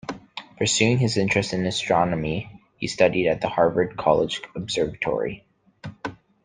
Pursuing his interest in astronomy, he studied at the Harvard College Observatory.